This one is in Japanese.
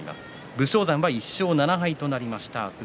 武将山は１勝７敗となりました。